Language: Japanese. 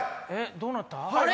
どうなった？